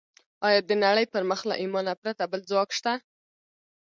ايا د نړۍ پر مخ له ايمانه پرته بل ځواک شته؟